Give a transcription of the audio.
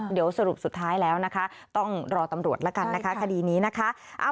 เดี๋ยวสรุปสุดท้ายแล้วนะคะต้องรอตำรวจแล้วกันนะคะคดีนี้นะคะ